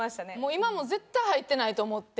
今も絶対入ってないと思って。